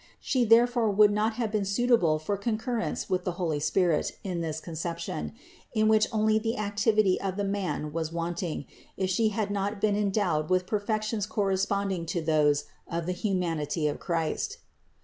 She therefore would not have been suitable for concur rence with the Holy Ghost in this conception, in which only the activity of the man was wanting, if She had not been endowed with perfections corresponding to those of the humanity of Christ.